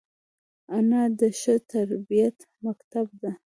انا د ښه تربیت مکتب ده